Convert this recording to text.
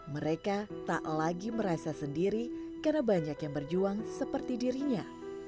mereka tak lagi merasa sendiri karena banyak yang berjuang seperti dirinya